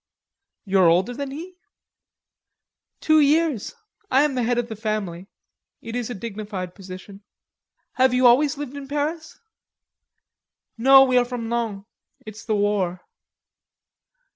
"You are older than he?" "Two years.... I am the head of the family.... It is a dignified position." "Have you always lived in Paris?" "No, we are from Laon.... It's the war."